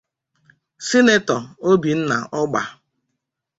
Sinetọ Obinna Ogba